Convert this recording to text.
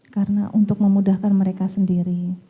karena untuk memudahkan mereka sendiri